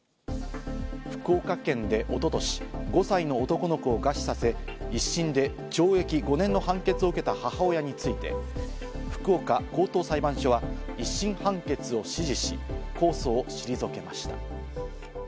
福岡県で一昨年、５歳の男の子を餓死させ、１審で懲役５年の判決を受けた母親について、福岡高等裁判所は１審判決を支持し、控訴を退けました。